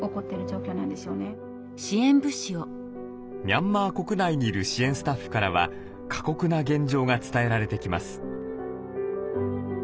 ミャンマー国内にいる支援スタッフからは過酷な現状が伝えられてきます。